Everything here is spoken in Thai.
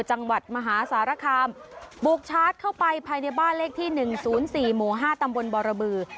จังหวัดมหาสารคามบุกชาร์จเข้าไปภายในบ้านเลขที่๑๐๔หมู่๕ตำบลบรบือ